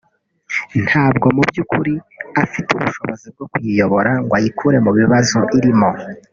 ntabwo mu by’ukuri afite ubushobozi bwo kuyiyobora ngo ayikure mu bibazo irimo